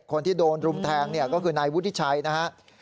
คนที่โดนรุมแทงเนี่ยก็คือนายวุฒิชัยนะครับ